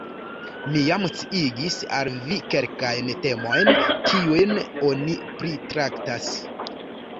Mi jam sciigis al vi kelkajn temojn, kiujn oni pritraktas.